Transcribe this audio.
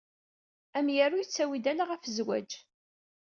Amyaru yettawi-d ala ɣef zzwaǧ.